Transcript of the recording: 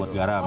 buat garam ya